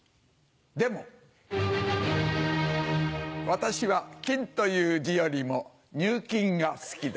私は「金」という字よりも「入金」が好きだ。